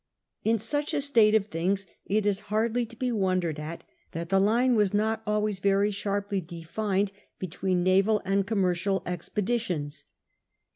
In such a state of things it is hardly to be wondered at that the line was not always very sharply defined 10 SIR FRANCIS DRAKE chap. between naval and commercial expeditions.